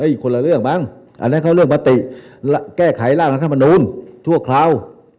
เฮ้ยคนละเรื่องบ้างอันนั้นก็เรื่องปฏิแก้ไขร่างรัฐธรรมนุนทั่วคราว